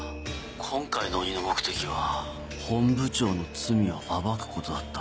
今回の鬼の目的は本部長の罪を暴くことだった。